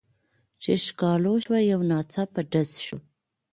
څه ښکالو شوه یو ناڅاپه ډز شو.